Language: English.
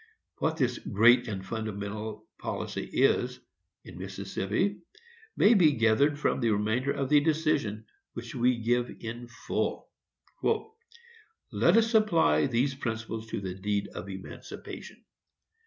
What this "great and fundamental policy" is, in Mississippi, may be gathered from the remainder of the decision, which we give in full. Let us apply these principles to the deed of emancipation.